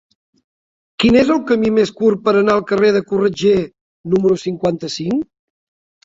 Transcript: Quin és el camí més curt per anar al carrer de Corretger número cinquanta-cinc?